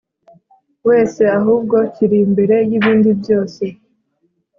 wese ahubwo kiri imbere yibindi byose